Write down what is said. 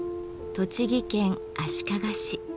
栃木県足利市。